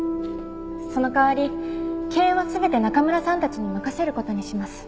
その代わり経営は全て中村さんたちに任せる事にします。